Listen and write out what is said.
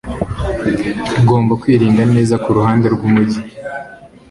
Ugomba kwirinda neza kuruhande rwumujyi